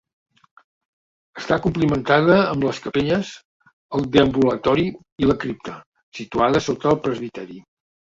Està complimentada amb les capelles, el deambulatori i la cripta, situada sota el presbiteri.